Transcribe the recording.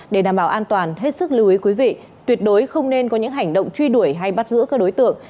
để đảm bảo an toàn hết sức lưu ý quý vị tuyệt đối không nên có những hành động truy đuổi hay bắt giữ các đối tượng